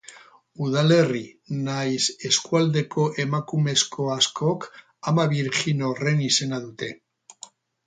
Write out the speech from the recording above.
Udalerri nahiz eskualdeko emakumezko askok ama birjin horren izena dute.